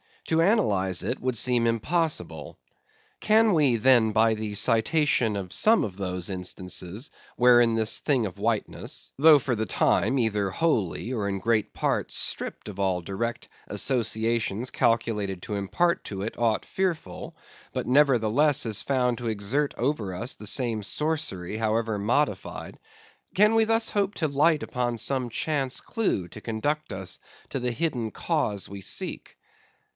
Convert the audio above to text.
To analyse it, would seem impossible. Can we, then, by the citation of some of those instances wherein this thing of whiteness—though for the time either wholly or in great part stripped of all direct associations calculated to impart to it aught fearful, but nevertheless, is found to exert over us the same sorcery, however modified;—can we thus hope to light upon some chance clue to conduct us to the hidden cause we seek?